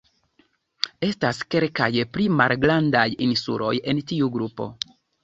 Estas kelkaj pli malgrandaj insuloj en tiu grupo.